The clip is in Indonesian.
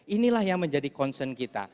inilah yang menjadi concern kita